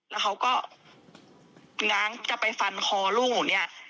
แล้วเขาก็ง้างจะไปฟันคอลูกหนูเนี่ย